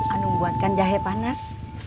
anung buatkan jahe panas